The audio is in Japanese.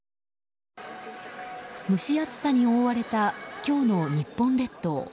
蒸し暑さに覆われた今日の日本列島。